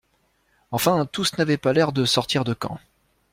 Enfin, tous n’avaient pas l’air de sortir de camps